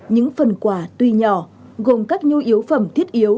những phần quà tuy nhỏ gồm các nhu yếu phẩm thiết yếu